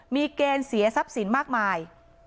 มีเกณฑ์เสียทรัพย์สินมากมาย